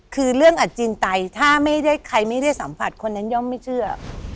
คือเรื่องอจินตัยถ้าใครไม่ได้สัมผัสคนนั้นยอมไม่เชื่อ